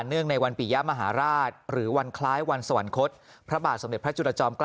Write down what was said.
งในวันปียะมหาราชหรือวันคล้ายวันสวรรคตพระบาทสมเด็จพระจุลจอมเกล้า